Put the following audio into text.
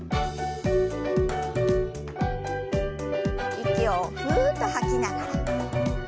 息をふっと吐きながら。